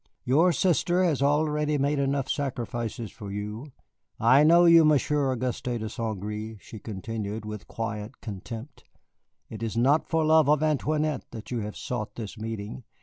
Your sister has already made enough sacrifices for you. I know you, Monsieur Auguste de St. Gré," she continued with quiet contempt. "It is not for love of Antoinette that you have sought this meeting.